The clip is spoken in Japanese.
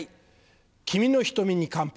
君の瞳に乾杯。